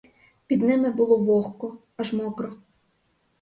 Під ними було вогко, аж мокро.